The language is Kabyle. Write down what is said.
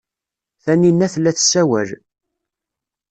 Taninna tella tessawal.